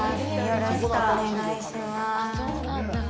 よろしくお願いします。